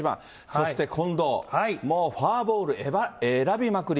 そして近藤、もうフォアボール選びまくり。